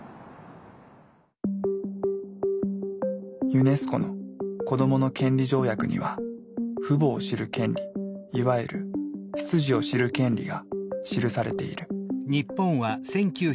ユネスコの子どもの権利条約には「父母を知る権利」いわゆる「出自を知る権利」が記されている。